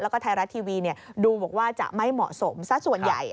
แล้วก็ไทยรัฐทีวีดูบอกว่าจะไม่เหมาะสมสักส่วนใหญ่